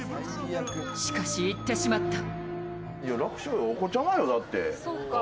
しかし、言ってしまった。